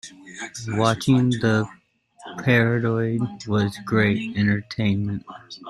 Watching the parody was great entertainment.